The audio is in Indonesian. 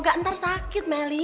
gak ntar sakit meli